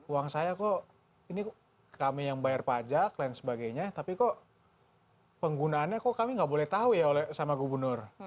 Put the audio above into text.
uang saya kok ini kami yang bayar pajak dan sebagainya tapi kok penggunaannya kok kami nggak boleh tahu ya sama gubernur